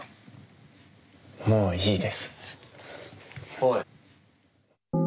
おい！